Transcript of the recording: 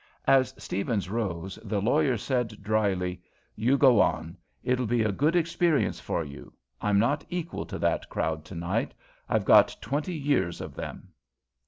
As Steavens rose, the lawyer said dryly: "You go on it'll be a good experience for you. I'm not equal to that crowd tonight; I've had twenty years of them."